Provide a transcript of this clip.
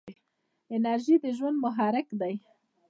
انرژي د ژوند محرک دی.